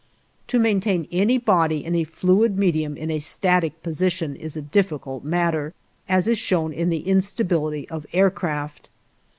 To maintain any body in a fluid medium in a static position is a difficult matter, as is shown in the instability of aircraft.